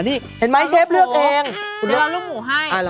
นี่เป็นโปรตีนเนเลยครับ